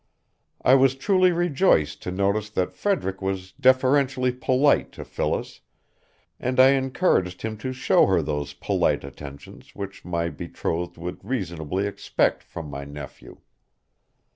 I was truly rejoiced to notice that Frederick was deferentially polite to Phyllis, and I encouraged him to show her those polite attentions which my betrothed would reasonably expect from my nephew.